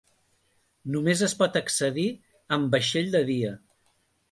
Només es pot accedir amb vaixell de dia.